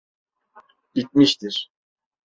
Bitmiştir.